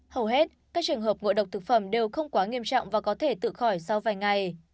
hầu hết các trường hợp ngộ độc thực phẩm đều không quá nghiêm trọng và có thể tự khỏi sau vài ngày